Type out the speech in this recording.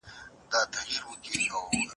نوي پوهیالي باید د څېړنې اصول زده کړي.